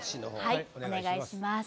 はいお願いします